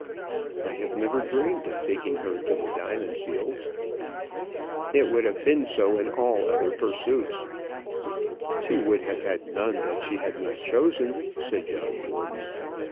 "I have never dreamed of taking her to the diamond fields." "It would have been so in all other pursuits." "She would have had none that she had not chosen," said John Gordon.